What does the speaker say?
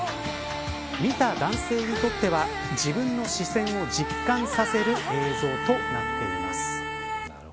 見た男性にとっては自分の視線を実感させる映像となっています。